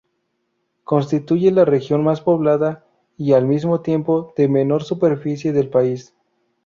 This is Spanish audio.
Constituye la región más poblada y -al mismo tiempo- de menor superficie del país.